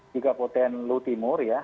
juga ptn lutimur ya